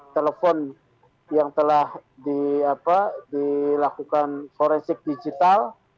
telepon yang telah dilakukan forensik digital